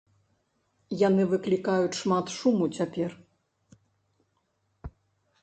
Яны выклікаюць шмат шуму цяпер.